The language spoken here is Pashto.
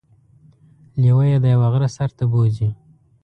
لیوه يې د یوه غره سر ته بوځي.